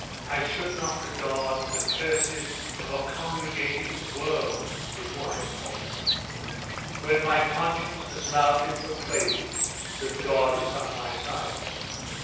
"I should not regard the curses of a congregated world," replied Wallace, "when my conscience as loudly proclaims that God is on my side.